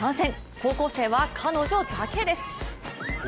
高校生は彼女だけです。